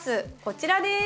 こちらです。